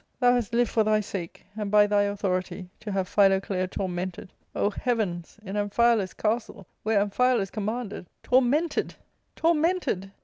thou hast lived for thy sake, and by thy authority, to have Philoclea tormented, O heavens ! in Am phialus* castle, where Amphialus commanded— tormented ! tormented